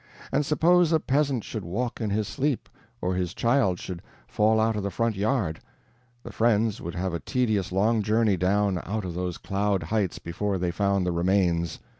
And suppose a peasant should walk in his sleep, or his child should fall out of the front yard? the friends would have a tedious long journey down out of those cloud heights before they found the remains.